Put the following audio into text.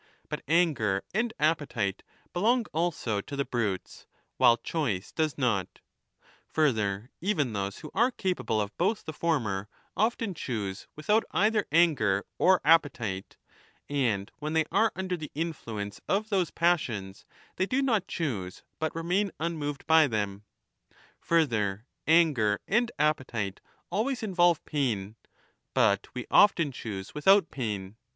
But anger and appetite belong also to the brutes while 1 choice does not ; further, even those who are capable of 1 both the former often choose without either anger or appe ^ tite ; and when they are under the influence of those passions 30 they do not choose but remain unmoved by them. Further, anger and appetite always involve pain, but we often choose without pain.